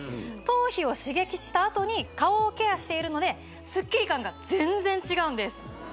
頭皮を刺激したあとに顔をケアしているのでスッキリ感が全然違うんです